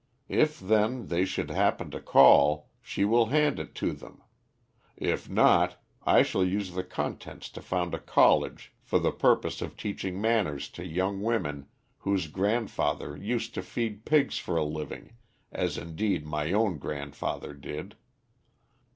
If, then, they should happen to call, she will hand it to them; if not, I shall use the contents to found a college for the purpose of teaching manners to young women whose grandfather used to feed pigs for a living, as indeed my own grandfather did.